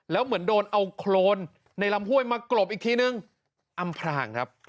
แล้วเหมือนโดนเอาโครนในลำห้วยมากรบอีกทีนึงอำพรางครับ